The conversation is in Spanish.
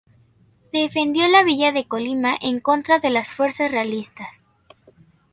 Defendió la Villa de Colima en contra de las fuerzas realistas.